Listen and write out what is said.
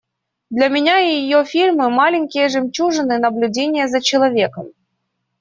Для меня ее фильмы – маленькие жемчужины наблюдения за человеком.